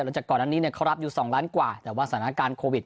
จากก่อนอันนี้เขารับอยู่๒ล้านกว่าแต่ว่าสถานการณ์โควิด